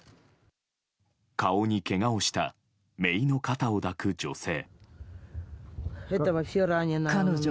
顔にけがをしためいの肩を抱く女性。